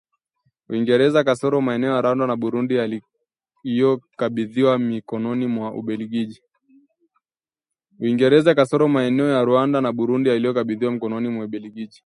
Uingereza, kasoro maeneo ya Rwanda na Burundi yaliyokabidhiwa mikononi mwa Ubelgiji